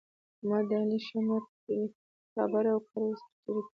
احمد د علي ښی مټ دی. هره خبره او کار ورسره شریکوي.